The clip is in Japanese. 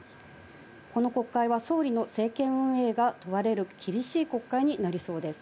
この国会は総理の政権運営が問われる厳しい国会になりそうです。